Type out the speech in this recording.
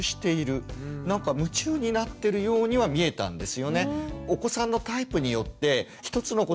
なんか夢中になってるようには見えたんですよね。